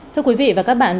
thưa quý vị và các bạn